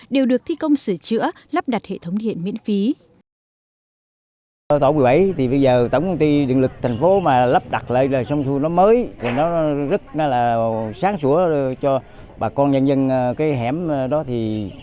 đều được thi công sửa chữa lắp đặt hệ thống điện miễn phí